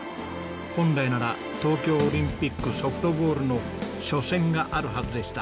本来なら東京オリンピックソフトボールの初戦があるはずでした。